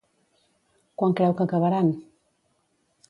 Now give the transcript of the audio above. Quan creu que acabaran?